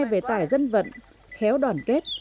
về tài dân vận khéo đoàn kết